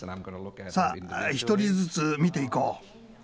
さあ１人ずつ見ていこう。